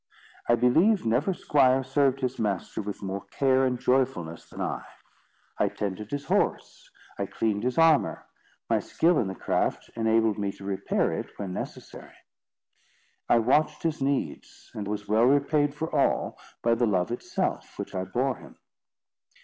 I believe never squire served his master with more care and joyfulness than I. I tended his horse; I cleaned his armour; my skill in the craft enabled me to repair it when necessary; I watched his needs; and was well repaid for all by the love itself which I bore him.